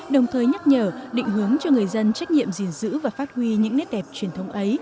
đồng thời nhắc nhở định hướng cho người dân trách nhiệm gìn giữ và phát huy những nét đẹp truyền thống ấy